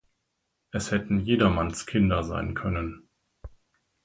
Es hätten jedermanns Kinder sein können.